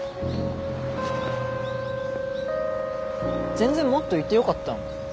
全然もっといてよかったのに。